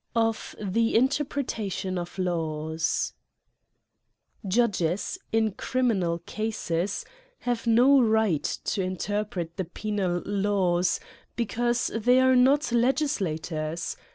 Of the Interpretation of Laws, JUDGES, in criminal cases, have no right to interpret the penal laws, because they are not le gislators.